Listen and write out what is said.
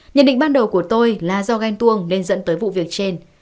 nhận định ban đầu của tôi là do ghen tuông nên dẫn tới vụ việc trên